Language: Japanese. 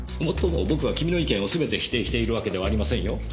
もっとも僕は君の意見をすべて否定しているわけではありませんよ。